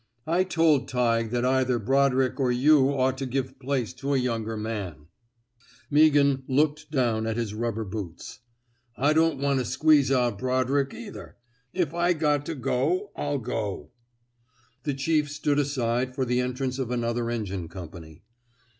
I told Tighe that either Brodrick or you ought to give place to a younger man." 243 THE SMOKE EATEES Meaghan looked down at his rubber boots. I don^t want to squeeze out Brodrick, either. If I got to go, I'll go.'' The chief stood aside for the entrance of another engine company.